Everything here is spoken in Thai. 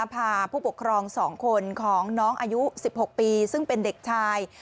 พาผู้ปกครอง๒คนของน้องอายุ๑๖ปีซึ่งเป็นเด็กชาย